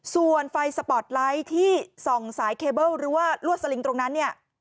ส่วนไฟสปอร์ตไลท์ที่ส่องสายเคเบิ้ลหรือว่าลวดสลิงตรงนั้นเนี่ย